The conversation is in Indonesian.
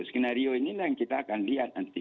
skenario inilah yang kita akan lihat nanti